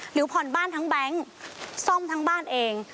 หรือผ่อนบ้านทั้งแบงค์ซ่อมทั้งบ้านเอง